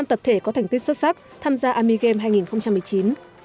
năm tập thể có thành tích xuất sắc tham gia army game hai nghìn một mươi chín